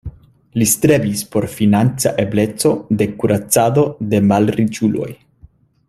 Li strebis por financa ebleco de kuracado de malriĉuloj.